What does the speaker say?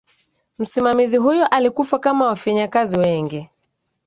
msimamizi huyo alikufa kama wafanyikazi wengi